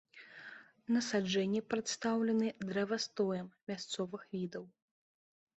Насаджэнні прадстаўлены дрэвастоем мясцовых відаў.